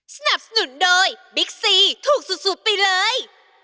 สนับสนุนโดยบิ๊กซีถูกสุดไปเลย